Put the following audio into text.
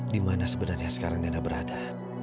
dimana sebenarnya sekarang nena berada